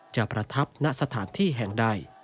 ประทับณสถานที่แห่งใด